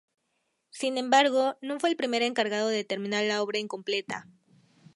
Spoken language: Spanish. Sin embargo, no fue el primer encargado de terminar la obra incompleta.